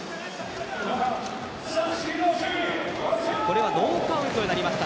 これはノーカウントとなりました。